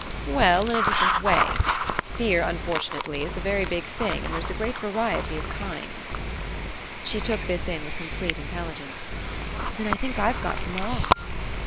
"Well, in a different way. Fear, unfortunately, is a very big thing, and there's a great variety of kinds." She took this in with complete intelligence. "Then I think I've got them all."